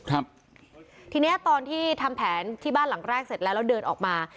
ทีเนี้ยตอนที่ทำแผนที่บ้านหลังแรกเสร็จแล้วแล้วเดินออกมา